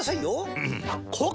うん！